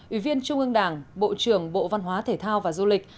ủy viên trung ương đảng bộ trưởng bộ văn hóa thể thao và du lịch